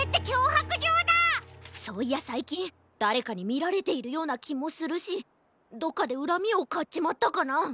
そういやさいきんだれかにみられているようなきもするしどっかでうらみをかっちまったかな？